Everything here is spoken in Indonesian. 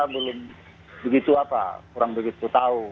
belum begitu apa kurang begitu tahu